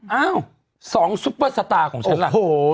เอ้า๒ซุปเปอร์สตาร์ของฉันล่ะ